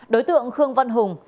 đối tượng khương văn hùng